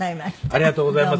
ありがとうございます。